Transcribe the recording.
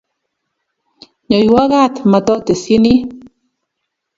nyoiwo kat matotesyini